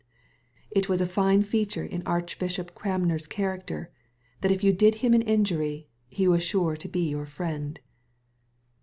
It was a fine fea ture in Archbishop Oranmer's charater, that if you did him an injury, he was sure to be your friend.